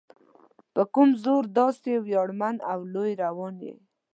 په کوم زور داسې ویاړمن او لوی روان یې؟